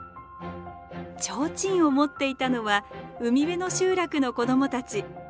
ちょうちんを持っていたのは海辺の集落の子どもたち。